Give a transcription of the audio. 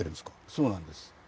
そうなんです。